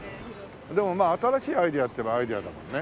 でもまあ新しいアイデアっていえばアイデアだもんね。